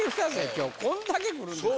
今日こんだけ来るんですよ。